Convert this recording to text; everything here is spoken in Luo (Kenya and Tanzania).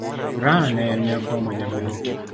Raha ne en nyako majaber.